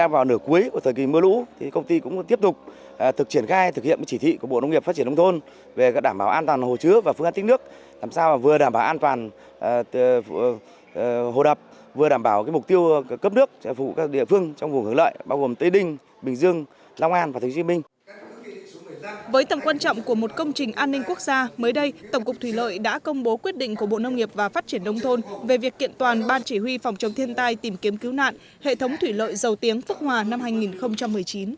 với tầm quan trọng của một công trình an ninh quốc gia mới đây tổng cục thủy lợi đã công bố quyết định của bộ nông nghiệp và phát triển đông thôn về việc kiện toàn ban chỉ huy phòng chống thiên tai tìm kiếm cứu nạn hệ thống thủy lợi dầu tiếng phức hòa năm hai nghìn một mươi chín